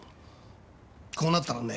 こうなったらね